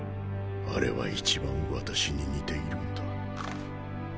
あれは一番私に似ているんだ。